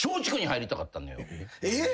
えっ！？